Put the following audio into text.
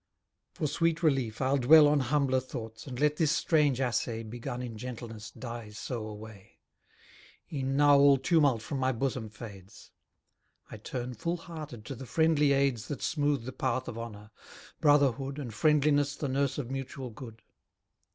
For sweet relief I'll dwell On humbler thoughts, and let this strange assay Begun in gentleness die so away. E'en now all tumult from my bosom fades: I turn full hearted to the friendly aids That smooth the path of honour; brotherhood, And friendliness the nurse of mutual good.